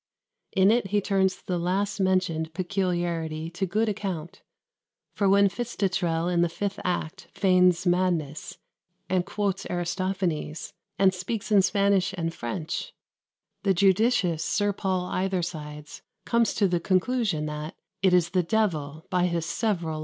In it he turns the last mentioned peculiarity to good account; for when Fitzdottrell, in the fifth act, feigns madness, and quotes Aristophanes, and speaks in Spanish and French, the judicious Sir Paul Eithersides comes to the conclusion that "it is the devil by his several languages."